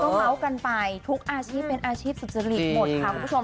เมาส์กันไปทุกอาชีพเป็นอาชีพสุจริตหมดค่ะคุณผู้ชม